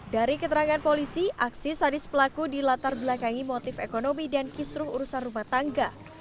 dari keterangan polisi aksi sadis pelaku dilatar belakangi motif ekonomi dan kisruh urusan rumah tangga